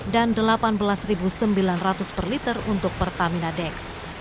dan rp delapan belas sembilan ratus per liter untuk pertamina dex